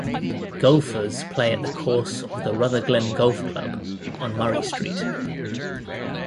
Golfers play at the course of the Rutherglen Golf Club on Murray Street.